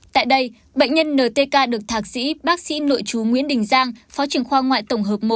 tại đây bệnh nhân ntk được thạc sĩ bác sĩ nội chú nguyễn đình giang phó trưởng khoa ngoại tổng hợp một